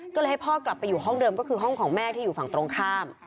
ก็เลยให้พ่อกลับไปอยู่ห้องเดิมก็คือห้องของแม่ที่อยู่ฝั่งตรงข้าม